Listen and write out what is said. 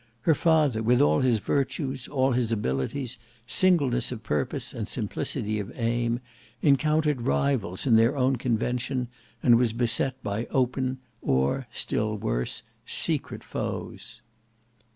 Her father, with all his virtues, all his abilities, singleness of purpose and simplicity of aim, encountered rivals in their own Convention, and was beset by open or, still worse, secret foes.